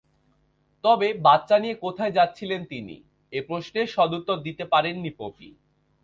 তবে বাচ্চা নিয়ে কোথায় যাচ্ছিলেন তিনি—এ প্রশ্নের সদুত্তর দিতে পারেননি পপি।